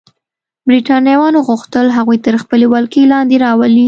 برېټانویانو غوښتل هغوی تر خپلې ولکې لاندې راولي.